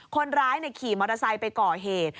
คนร้ายขี่มอเตอร์ไซค์ไปก่อเหตุ